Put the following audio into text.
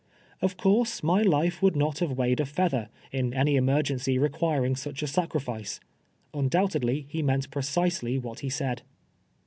Of course, my life would not have weighed a feather, in any emergency rtTjuiring such a siicrilice. Undoubt edly, he meant precisely what he said.